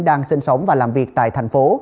đang sinh sống và làm việc tại thành phố